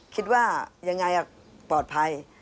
คิดว่ายังไงปลอดภัย